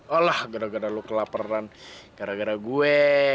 alah gara gara lu kelaperan gara gara gue